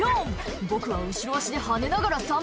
「僕は後ろ足で跳ねながら散歩」